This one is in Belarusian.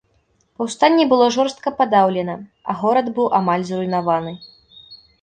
Паўстанне было жорстка падаўлена, а горад быў амаль зруйнаваны.